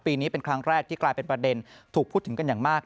ปีนี้เป็นครั้งแรกที่กลายเป็นประเด็นถูกพูดถึงกันอย่างมาก